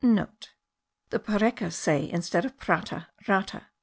*(* The Parecas say, instead of prata, rata.